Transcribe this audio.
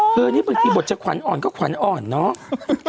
นี่บางทีบทจะขวัญอ่อนก็ขวัญอ่อนเนาะ